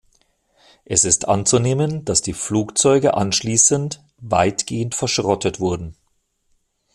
Es ist anzunehmen, dass die Flugzeuge anschließend weitgehend verschrottet wurden.